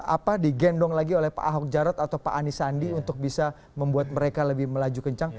apa di gendong lagi oleh pak ahok jarot atau pak anis andi untuk bisa membuat mereka lebih melaju kencang